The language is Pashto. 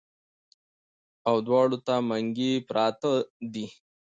او دواړو ته منګي پراتۀ دي